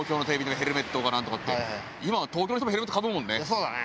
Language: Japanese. そうだね。